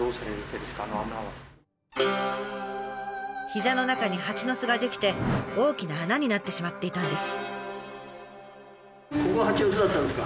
膝の中に蜂の巣が出来て大きな穴になってしまっていたんです。